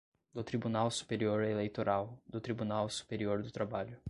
do Tribunal Superior Eleitoral, do Tribunal Superior do Trabalho